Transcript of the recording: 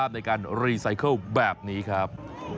ในการรีไซเคิลแบบนี้ครับ